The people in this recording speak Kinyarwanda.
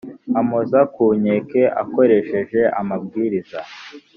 ampoza ku nkeke akoresheje amabwiriza